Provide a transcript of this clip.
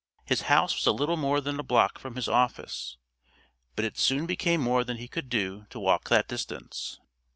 His house was a little more than a block from his office, but it soon became more than he could do to walk that distance.